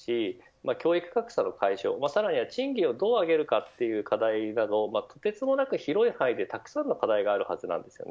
教育格差の解消、さらには賃金をどう上げるかという課題など、とてつもなく広い範囲でたくさんの課題があるはずです。